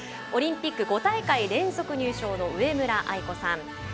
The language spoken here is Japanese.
オリンピック５大会連続入賞の上村愛子さん。